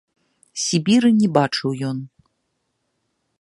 Сібіры не бачыў ён.